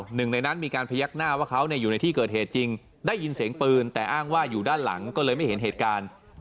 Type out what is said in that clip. หนึ่งในนั้นมีการพยักหน้าว่าเขาอยู่ในที่เกิดเหตุจริงได้ยินเสียงปืนแต่อ้างว่าอยู่ด้านหลังก็เลยไม่เห็นเหตุการณ์